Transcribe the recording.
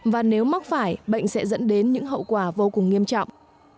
và nếu mắc phải bệnh sẽ dẫn đến những hậu quả vô cùng nghiêm trọng